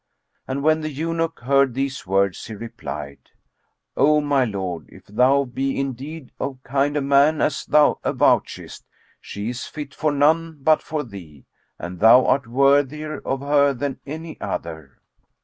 And when the eunuch heard these words he replied, "O my lord, if thou be indeed of kind a man as thou avouchest, she is fit for none but for thee, and thou art worthier of her than any other."